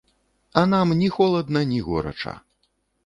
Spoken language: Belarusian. А нам ні холадна, ні горача.